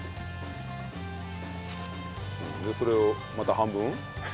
でそれをまた半分？